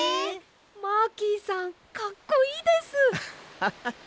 マーキーさんかっこいいです！ハハハ！